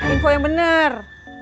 info yang bener